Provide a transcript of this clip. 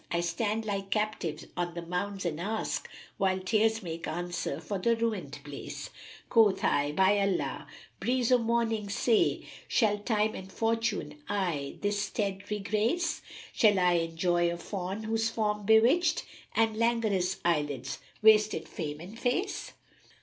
I stand like captive on the mounds and ask * While tears make answer for the ruined place: Quoth I, 'By Allah, Breeze o' Morning, say * Shall Time and Fortune aye this stead regrace? Shall I enjoy a fawn whose form bewitched * And langourous eyelids wasted frame and face?'"